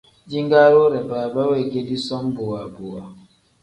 Jingaari wire baaba weegedi som bowa bowa.